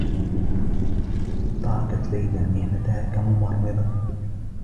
تركت ليلى مهنتها كممرّضة.